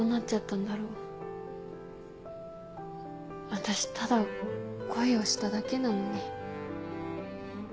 私ただ恋をしただけなのに